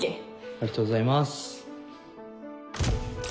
ありがとうございます。